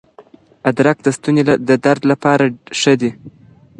ادرک د ستوني درد لپاره ښه دی.